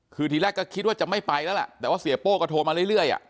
คือทีแรกก็คิดว่าจะไม่ไปแล้วล่ะแต่ว่าเสียโป้ก็โทรมาเรื่อย